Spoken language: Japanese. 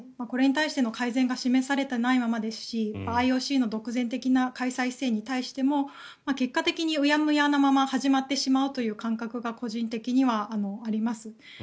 これに対しての改善が示されていないままですしＩＯＣの独善的な開催姿勢に対しても結果的にうやむやに始まってしまうという感覚が個人的にはあります。